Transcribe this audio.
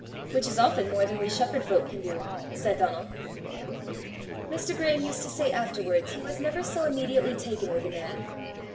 "Which is often more than we shepherd folk can do," said Donal. Mr. Graeme used to say afterwards he was never so immediately taken with a man.